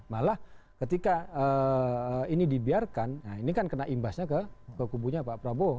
malah ketika ini dibiarkan ini kan kena imbasnya ke kubunya pak prabowo